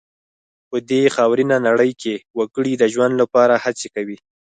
په دې خاورینه نړۍ کې وګړي د ژوند لپاره هڅې کوي.